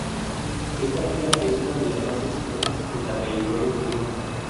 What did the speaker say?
Esta gira es una de las más exitosas en la trayectoria del grupo.